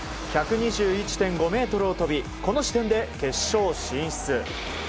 １２１．５ｍを飛びこの時点で決勝進出。